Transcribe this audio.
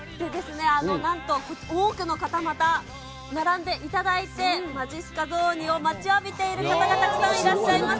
なんと多くの方、また並んでいただいて、まじっすか雑煮を待ちわびている方、たくさんいらっしゃいます。